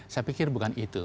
saya pikir bukan itu